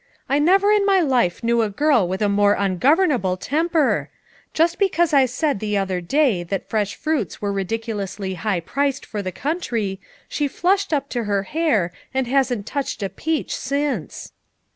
"I never in my life knew a girl with a more ungovernable temper; just because I said the other day that fresh fruits were ridiculously high priced for the country, she flushed up to her hair and hasn't touched a peach since."